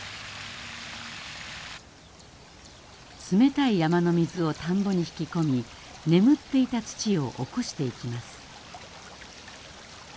冷たい山の水を田んぼに引き込み眠っていた土を起こしていきます。